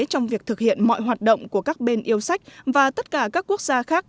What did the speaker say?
trong việc thực hiện mọi hoạt động của các bên yêu sách và tất cả các quốc gia khác